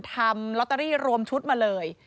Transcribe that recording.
ทำลอตเตอรี่รวมชุดมาเลย